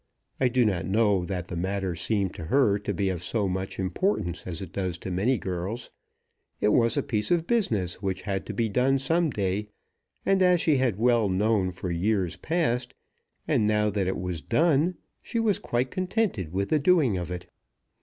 I do not know that the matter seemed to her to be of so much importance as it does to many girls. It was a piece of business which had to be done some day, as she had well known for years past; and now that it was done, she was quite contented with the doing of it.